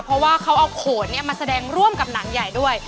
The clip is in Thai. เพราะว่าเขาเอาโขนมาแสดงร่วมกับหนังใหญ่ด้วย